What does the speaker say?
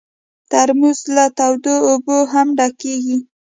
ترموز له تودو اوبو هم ډکېږي.